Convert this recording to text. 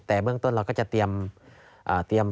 แต่เบื้องต้นเราก็จะเตรียม